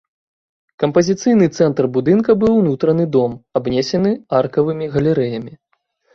Кампазіцыйны цэнтр будынка быў унутраны дом, абнесены аркавымі галерэямі.